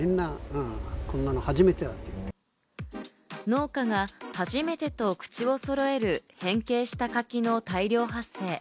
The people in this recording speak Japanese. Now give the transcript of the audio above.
農家が初めてと口をそろえる、変形した柿の大量発生。